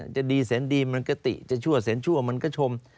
จะดีแสนดีมันก็ติจะชั่วแสนชั่วมันก็ชม